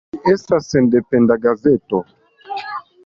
Ĝi estas sendependa gazeto.